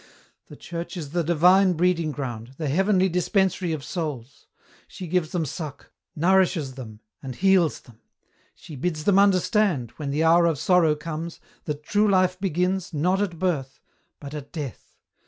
The Church is the divine breeding ground, the heavenly dispensary of souls ; she gives them suck, nourishes them, and heals them ; she bids them understand, when the hour of sorrow comes, that true life begins, not at birth, but at death.